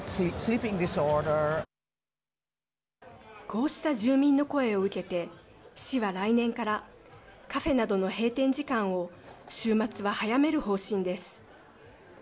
こうした住民の声を受けて市は来年からカフェなどの閉店時間を週末は早める方針です。